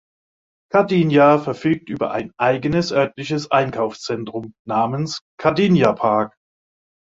Kardinya verfügt über ein eigenes örtliches Einkaufszentrum namens Kardinya Park.